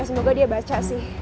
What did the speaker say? semoga dia baca sih